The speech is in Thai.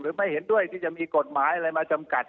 ไม่เห็นด้วยที่จะมีกฎหมายอะไรมาจำกัด